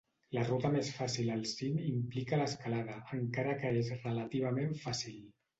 La ruta més fàcil al cim implica l'escalada, encara que és relativament fàcil.